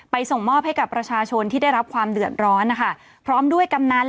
ส่งมอบให้กับประชาชนที่ได้รับความเดือดร้อนนะคะพร้อมด้วยกำนัน